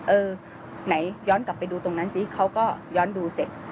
เออไหนย้อนกลับไปดูตรงนั้นซิเขาก็ย้อนดูเสร็จ